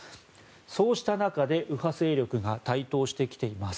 そうした中で、右派勢力が台頭してきています。